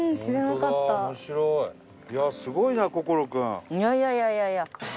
いやいやいやいや！